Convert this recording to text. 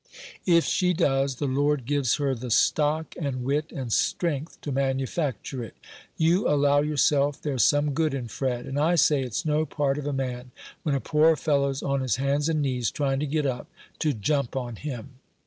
"If she does, the Lord gives her the stock, and wit, and strength to manufacture it. You allow yourself there's some good in Fred; and I say it's no part of a man, when a poor fellow's on his hands and knees, trying to get up, to jump on him."